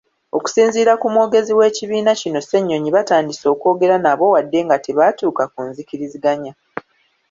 Okusinziira ku mwogezi w'ekibiina kino Ssenyonyi batandise okwogera nabo wadde nga tebaatuuka ku nzikiriziganya.